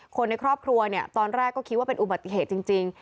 คนในครอบครัวเนี่ยตอนแรกก็คิดว่าเป็นอุบัติเหตุจริง